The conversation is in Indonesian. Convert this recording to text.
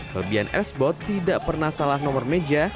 kelebihan l spot tidak pernah salah nomor meja